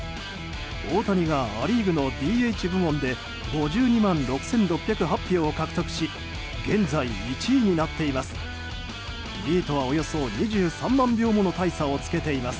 大谷がア・リーグのＤＨ部門で５２万６６０８票を獲得し現在１位になっています。